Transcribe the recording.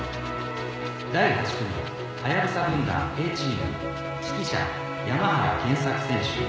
「第８組ハヤブサ分団Ａチーム指揮者山原賢作選手